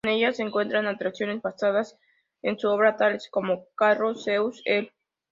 En ella se encuentran atracciones basadas en su obra, tales como Caro-Seuss-el.